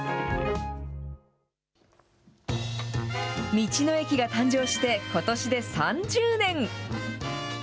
道の駅が誕生してことしで３０年。